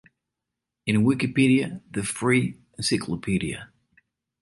In Wikipedia, The Free Encyclopedia.